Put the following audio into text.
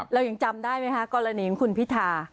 เรายังจำได้ไหมคะกรณีของคุณพิธา